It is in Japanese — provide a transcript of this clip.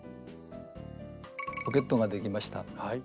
ポケットができました。